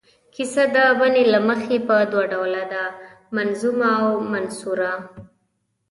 کیسه د بڼې له مخې په دوه ډوله ده، منظومه او منثوره.